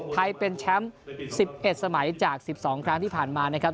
ไทยเป็นแชมป์สิบเอ็ดสมัยนี้จากสิบสองครั้งที่ผ่านมานะครับ